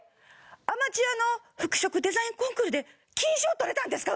アマチュアの服飾デザインコンクールで金賞とれたんですか？